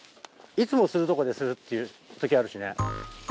いつもするとこでするっていう時あるしね。